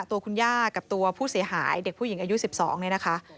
ตัวคุณย่ากับตัวผู้เสียหายเด็กผู้หญิงอายุ๑๒เนี่ยนะคะ